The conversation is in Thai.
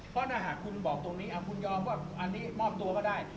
เพราะถ้าหากคุณบอกตรงนี้คุณยอมก็อันนี้มอบตัวก็ได้